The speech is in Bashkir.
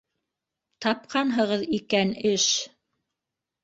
— Тапҡанһығыҙ икән эш!